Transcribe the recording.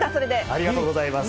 ありがとうございます。